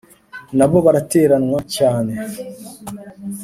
na bo baratereranwa cyane